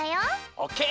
オッケー！